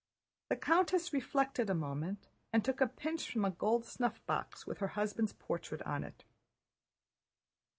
The countess reflected a moment and took a pinch from a gold snuffbox with her husband's portrait on it.